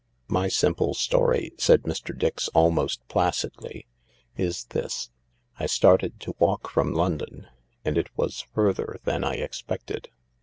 "My simple story," said Mr. Dix, almost placidly, "is this. I started to walk from London, and it was further tljan I expected.